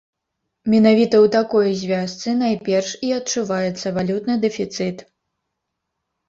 Менавіта ў такой звязцы найперш і адчуваецца валютны дэфіцыт.